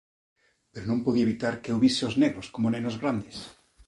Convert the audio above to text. Pero non podía evitar que eu vise aos negros como nenos grandes.